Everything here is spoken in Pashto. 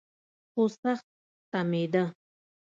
خو سخت ستمېده.